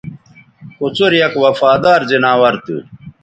کوڅر یک وفادار زناور تھو